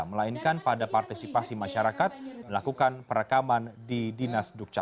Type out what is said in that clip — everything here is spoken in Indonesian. melainkan pada partisipasi masyarakat melakukan perekaman di dinas dukcapil